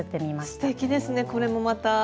すてきですねこれもまた。